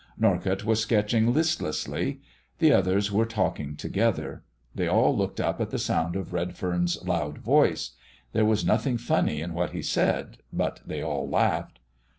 Norcott was sketching listlessly; the others were talking together. They all looked up at the sound of Redfern's loud voice. There was nothing funny in what he said, but they all laughed.